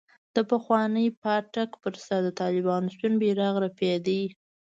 د پخواني پاټک پر سر د طالبانو سپين بيرغ رپېده.